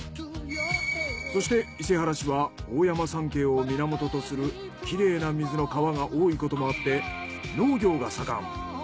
そして伊勢原市は大山山系を源とする綺麗な水の川が多いこともあって農業が盛ん。